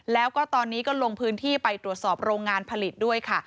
แล้วก็ตอนนี้ก็ลงพื้นที่ไปตรวจสอบโรงงานผลิตด้วยค่ะ